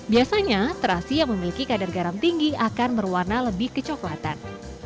biasanya terasi yang memiliki kadar garam tinggi akan berwarna lebih kecoklatan